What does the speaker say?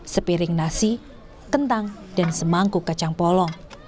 sepiring nasi kentang dan semangkuk kacang polong